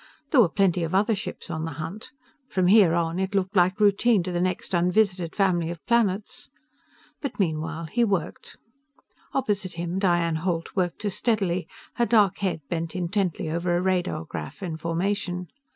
There were plenty of other ships on the hunt. From here on, it looked like routine to the next unvisited family of planets. But meanwhile he worked. Opposite him, Diane Holt worked as steadily, her dark head bent intently over a radar graph in formation.